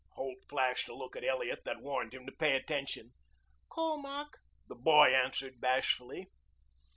Holt flashed a look at Elliot that warned him to pay attention. "Colmac," the boy answered bashfully.